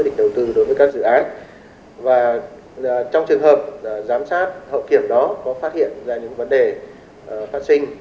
những vấn đề phát sinh